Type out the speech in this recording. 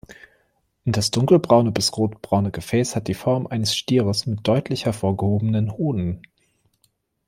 Das dunkelbraune bis rotbraune Gefäß hat die Form eines Stieres mit deutlich hervorgehobenen Hoden.